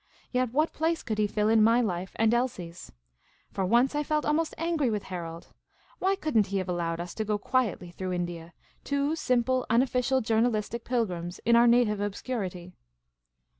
Yet what place could he fill in my life and Elsie's? For once, I felt almost angry with Harold. Why could n't he have allowed us to go quietly through India, two simple unofficial journalistic pilgrims, in our native obscurity